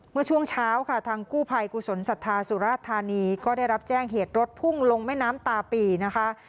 เมื่อช่วงเช้าค่ะทางกู้ภัยกุศลศรัทธาสุราชธานีก็ได้รับแจ้งเหตุรถพุ่งลงแม่น้ำตาปีนะคะ